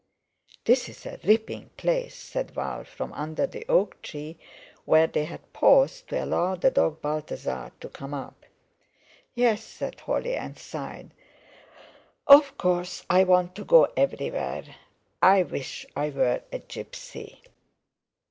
"This is a ripping place," said Val from under the oak tree, where they had paused to allow the dog Balthasar to come up. "Yes," said Holly, and sighed. "Of course I want to go everywhere. I wish I were a gipsy."